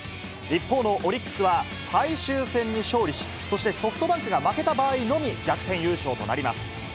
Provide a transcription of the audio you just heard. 一方のオリックスは、最終戦に勝利し、そしてソフトバンクが負けた場合のみ、逆転優勝となります。